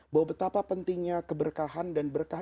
bahwa betapa pentingnya keberkahan dan berkah